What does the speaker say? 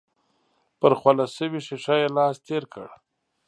پر خوله شوې ښيښه يې لاس تېر کړ.